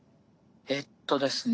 えっとですね